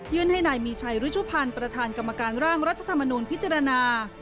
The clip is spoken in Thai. ให้นายมีชัยรุชุพันธ์ประธานกรรมการร่างรัฐธรรมนูลพิจารณา